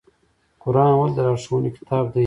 قرآن ولې د لارښوونې کتاب دی؟